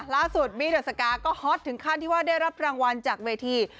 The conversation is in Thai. ล่าสุดบี้เดอร์สกาก็ฮอตถึงขั้นที่ว่าได้รับรางวัลจากเวที